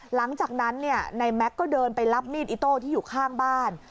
หลังจากนั้นนายแม็กซ์ก็เดินไปรับมีดอิโต้ที่อยู่ข้างบ้าน